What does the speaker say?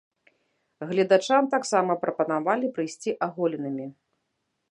Гледачам таксама прапанавалі прыйсці аголенымі.